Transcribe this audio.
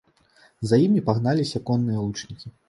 За імі пагналіся конныя лучнікі.